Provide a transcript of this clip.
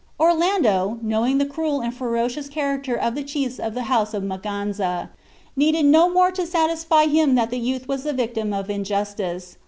Orlando, knowing the cruel and ferocious character of the chiefs of the house of Maganza, needed no more to satisfy him that the youth was the victim of injustice.